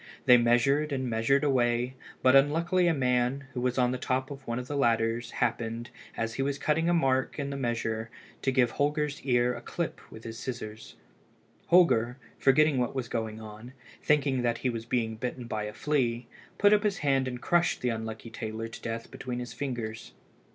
They measured and measured away, but unluckily a man, who was on the top of one of the ladders, happened, as he was cutting a mark in the measure, to give Holger's ear a clip with the scissors. Holger, forgetting what was going on, thinking that he was being bitten by a flea, put up his hand and crushed the unlucky tailor to death between his fingers.